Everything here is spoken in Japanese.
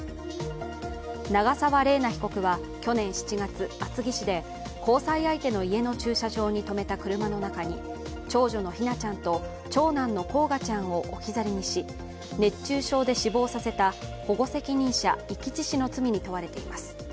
長沢麗奈被告は去年７月、厚木市で交際相手の家の駐車場に止めた車の中に長女の姫椰ちゃんと長男の煌翔ちゃんを置き去りにし、熱中症で死亡させた保護責任者遺棄致死の罪に問われています。